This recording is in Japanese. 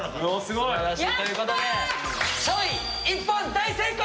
大成功！